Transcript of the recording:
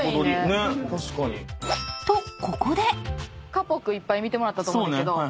カポックいっぱい見てもらったと思うねんけど。